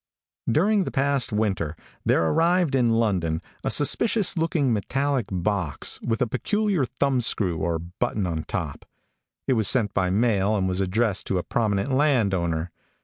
During the past winter there arrived in London a suspicious looking metallic box, with a peculiar thumb screw or button on the top. It was sent by mail, and was addressed to a prominent land owner.